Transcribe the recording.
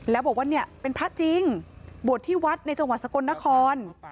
และบอกว่าเป็นพระจริงบวชที่วัดในจังหวัดสะกรณะคอล